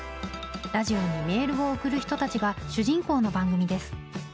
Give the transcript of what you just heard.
ラジオにメールを送る人たちが主人公の番組です。